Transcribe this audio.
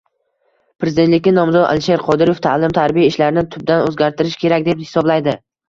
Prezidentlikka nomzod Alisher Qodirov ta’lim-tarbiya ishlarini tubdan o‘zgartirish kerak, deb hisoblaydi